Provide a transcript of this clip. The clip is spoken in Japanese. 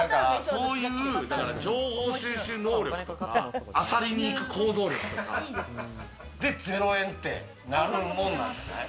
そういう情報収集能力とか、あさりに行く行動力とか、で、０円ってなるもんなんですね。